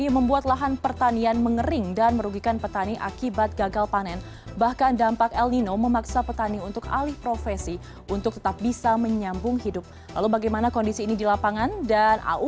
saya ingin ke pak kusnan terlebih dahulu